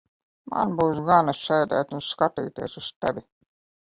Man būs gana sēdēt un skatīties uz tevi.